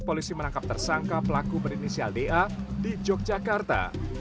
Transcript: polisi menangkap tersangka pelaku berinisial da di yogyakarta